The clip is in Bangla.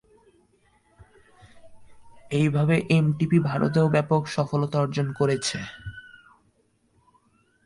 এইভাবে এমটিভি ভারতেও ব্যাপক সফলতা অর্জন করেছে।